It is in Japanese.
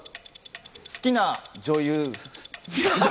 好きな女優。